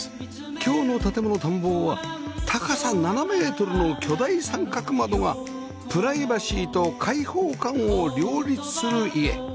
今日の『建もの探訪』は高さ７メートルの巨大三角窓がプライバシーと開放感を両立する家